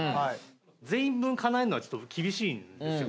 全員分かなえるのはちょっと厳しいんですよ。